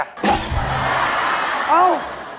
อ้าว